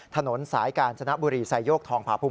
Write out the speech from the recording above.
ถนนสายการสนะบุรีใส่โยกทองผาพุม